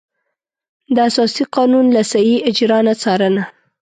د اساسي قانون له صحیح اجرا نه څارنه.